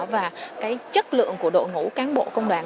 và cái chất lượng của đội ngũ cán bộ công đoàn